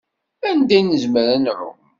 Anda i nezmer ad nɛumm?